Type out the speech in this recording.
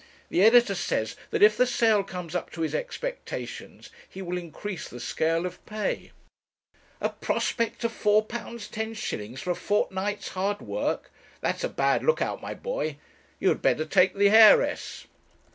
The editor says that, if the sale comes up to his expectations, he will increase the scale of pay.' 'A prospect of £4 10s. for a fortnight's hard work! That's a bad look out, my boy; you had better take the heiress.'